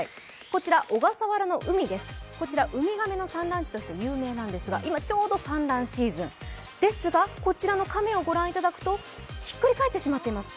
こちら小笠原の海です、ウミガメの産卵地として有名なんですが、今ちょうど産卵シーズンですがこちらの亀を御覧いただくとひっくり返ってしまっています。